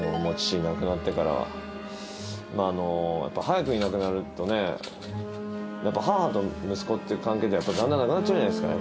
早くに亡くなるとね母と息子っていう関係じゃだんだんなくなっちゃうじゃないですか。